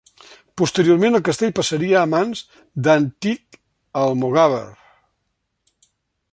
Posteriorment el castell passaria a mans d'Antic Almogàver.